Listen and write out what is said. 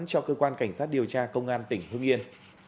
cho cơ quan cảnh sát điều tra công an tỉnh hưng yên